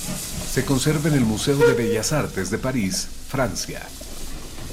Se conserva en el Museo de Bellas Artes de París, Francia.